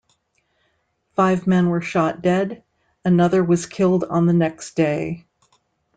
Five men were shot dead; another was killed on the next day.